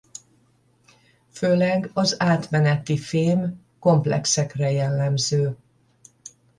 Főleg az átmenetifém-komplexekre jellemző.